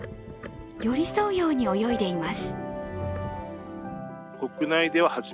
寄り添うように泳いでいます。